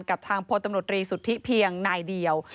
กับทางพลตำรวจรีสุทธิเพียงนายเดียว